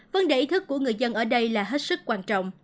vấn đề ý thức của người dân ở đây là hết sức quan trọng